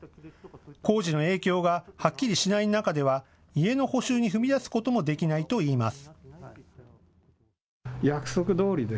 工事の影響がはっきりしない中では家の補修に踏み出すこともできないといいます。